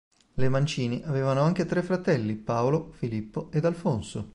Le Mancini avevano anche tre fratelli: Paolo, Filippo ed Alfonso.